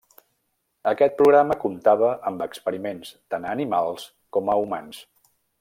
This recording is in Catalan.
Aquest programa comptava amb experiments tant a animals com a humans.